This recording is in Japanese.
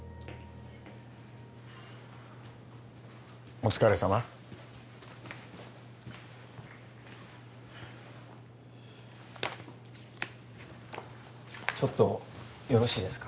お疲れさまちょっとよろしいですか？